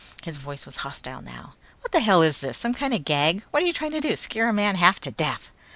His voice was hostile now. "What the hell is this, some kind of a gag! What are you trying to do, scare a man half to death!"